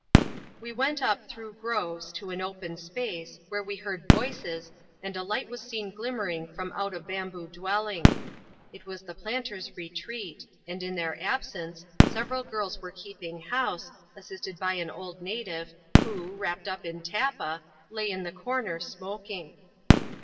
We went up through groves to an open space, where we hearct voices, and a light was seen glimmering from out a bamboo dwelling. It was the planters' retreat ; and in their absence^ several girls were keeping house, assisted by an old native, who, wrapped up in tappa, lay. in the corner, smoking.